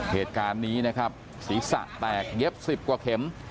เหตุการณ์นี้นะครับศีรษะแตกเย็บ๑๐กว่าเข็ม